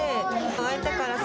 相手からす